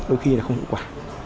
đôi khi là không hiệu quả